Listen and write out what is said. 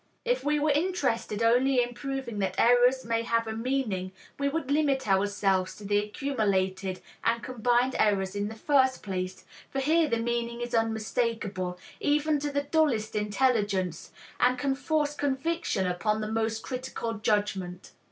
If we were interested only in proving that errors may have a meaning, we would limit ourselves to the accumulated and combined errors in the first place, for here the meaning is unmistakable, even to the dullest intelligence, and can force conviction upon the most critical judgment.